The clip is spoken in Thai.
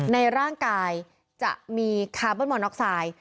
ในร่างกายจะมีคาร์เบิร์มอนน็อกไซด์